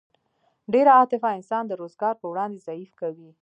ډېره عاطفه انسان د روزګار په وړاندې ضعیف کوي